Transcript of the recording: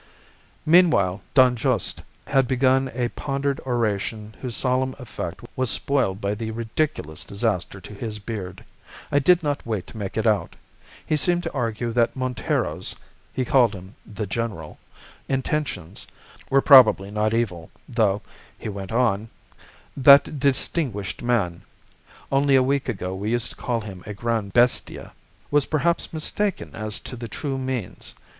"Meanwhile, Don Juste had begun a pondered oration whose solemn effect was spoiled by the ridiculous disaster to his beard. I did not wait to make it out. He seemed to argue that Montero's (he called him The General) intentions were probably not evil, though, he went on, 'that distinguished man' (only a week ago we used to call him a gran' bestia) 'was perhaps mistaken as to the true means.